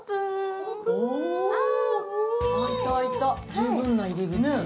十分な入り口。